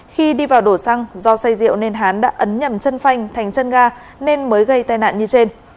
khi đi vào đổ xăng do say rượu nên hắn đã ấn nhầm chân phanh thành chân ga nên mới gây tai nạn như trên